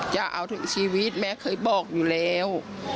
จะเอาถึงชีวิตแม่เคยบอกอยู่แล้ว